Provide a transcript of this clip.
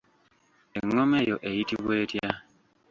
Engoma eyo eyitibwa etya?